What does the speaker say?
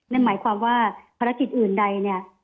นั่นหมายความว่าภารกิจอื่นใดเนี่ย